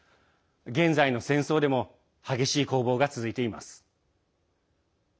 現在の戦争でも激しい攻防が続いています。